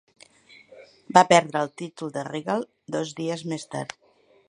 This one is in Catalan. Va perdre el títol de Regal dos dies més tard.